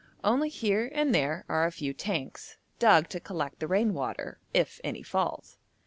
Only here and there are a few tanks, dug to collect the rain water, if any falls.